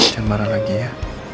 jangan marah lagi ya